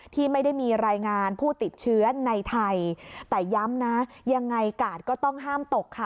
ที่ไม่ได้มีรายงานผู้ติดเชื้อในไทยแต่ย้ำนะยังไงกาดก็ต้องห้ามตกค่ะ